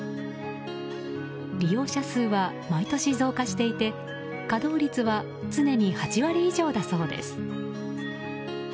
利用者数は毎年増加していて稼働率は常に８割以上だそうです。